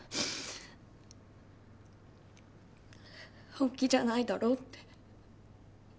「本気じゃないだろ」って。